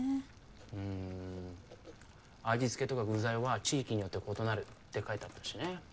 うん味付けとか具材は地域によって異なるって書いてあったしね。